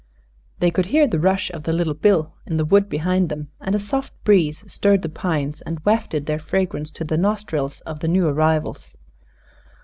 They could hear the rush of the Little Bill in the wood behind them and a soft breeze stirred the pines and wafted their fragrance to the nostrils of the new arrivals.